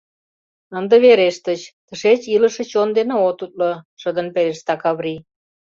— Ынде верештыч, тышеч илыше чон дене от утло! — шыдын пелешта Каврий.